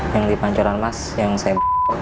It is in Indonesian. yang di pancoran mas yang saya